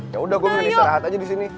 yaudah gue diserahat aja disini